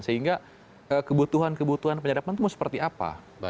sehingga kebutuhan kebutuhan penyadapan itu mau seperti apa